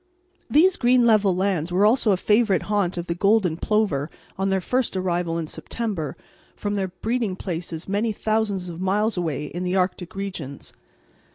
These green level lands were also a favourite haunt of the golden plover on their first arrival in September from their breeding places many thousands of miles away in the arctic regions.